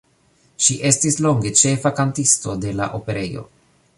Ŝi estis longe ĉefa kantisto de la Operejo.